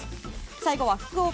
最後は福岡。